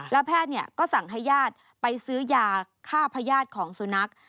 แล้วแพทย์ก็สั่งให้ญาติไปซื้อยาฆ่าพญาติของสุนัข